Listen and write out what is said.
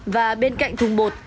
và bên cạnh thùng bột